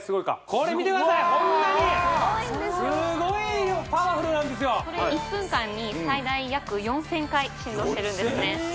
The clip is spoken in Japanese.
これ１分間に最大約４０００回振動してるんですね